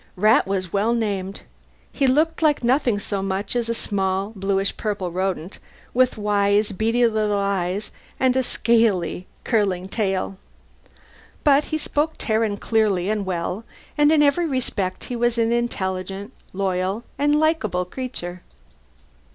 Rat was well named; he looked like nothing so much as a small bluish purple rodent, with wise, beady little eyes and a scaly curling tail. But he spoke Terran clearly and well, and in every respect he was an intelligent, loyal, and likable creature.